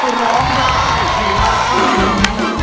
ร้องได้ให้ร้อง